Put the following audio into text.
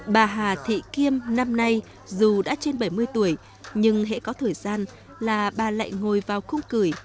bà hà thị kiêm năm nay dù đã trên bảy mươi tuổi nhưng hệ có thời gian là bà lại ngồi vào khung cười